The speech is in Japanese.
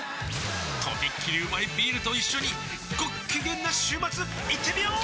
とびっきりうまいビールと一緒にごっきげんな週末いってみよー！